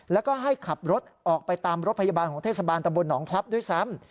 แล้วก็ให้ขับรถออกไปตามรถพยาบาลของเทศบาลตำบลหนองพลับด้วยซ้ำ